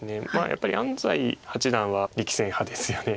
やっぱり安斎八段は力戦派ですよね。